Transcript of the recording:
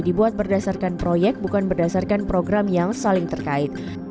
dibuat berdasarkan proyek bukan berdasarkan program yang saling terkait